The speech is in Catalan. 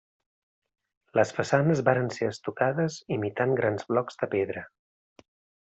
Les façanes varen ser estucades imitant grans blocs de pedra.